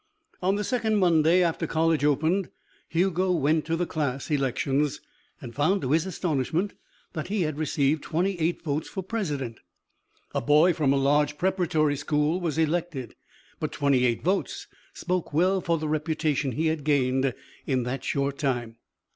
On the second Monday after college opened, Hugo went to the class elections and found to his astonishment that he received twenty eight votes for president. A boy from a large preparatory school was elected, but twenty eight votes spoke well for the reputation he had gained in that short time.